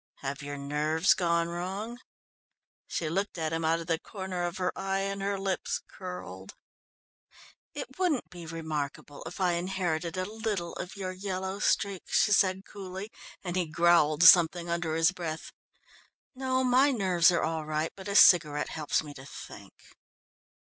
"Have your nerves gone wrong?" She looked at him out of the corner of her eye and her lips curled. "It wouldn't be remarkable if I inherited a little of your yellow streak," she said coolly, and he growled something under his breath. "No, my nerves are all right, but a cigarette helps me to think."